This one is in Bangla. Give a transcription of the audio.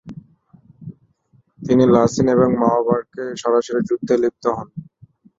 তিনি লাসিন এবং মাওবার্কে সরাসরি যুদ্ধে লিপ্ত হন।